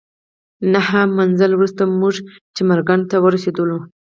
نهه منزله وروسته موږ چمرکنډ ته ورسېدلو.